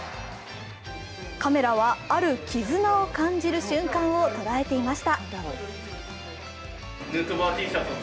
カメラは、ある絆を感じる瞬間を捉えていました。